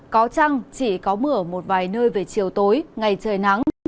có chăng chỉ có mưa ở một vài nơi về chiều tối ngày trời nắng